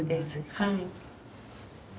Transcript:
はい。